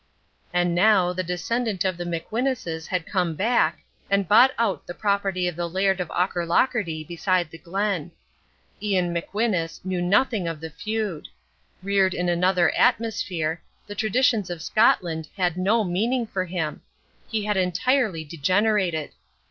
And now the descendant of the McWhinuses had come back, and bought out the property of the Laird of Aucherlocherty beside the Glen. Ian McWhinus knew nothing of the feud. Reared in another atmosphere, the traditions of Scotland had no meaning for him. He had entirely degenerated.